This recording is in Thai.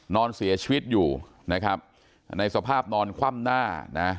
นอนเสียชีวิตอยู่นะครับในสภาพนอนคว่ำหน้านะ